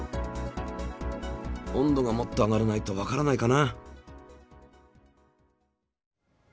温度がもっと上がらないとわからないかな。